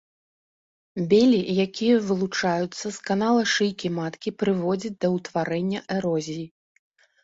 Белі, якія вылучаюцца з канала шыйкі маткі, прыводзяць да ўтварэння эрозіі.